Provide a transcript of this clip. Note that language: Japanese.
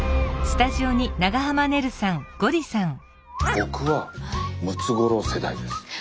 僕はムツゴロウ世代です。